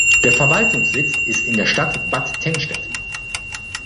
Der Verwaltungssitz ist in der Stadt Bad Tennstedt.